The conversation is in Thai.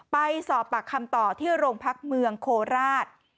ไปสอบปากคำต่อที่โรงพักเมืองโคราช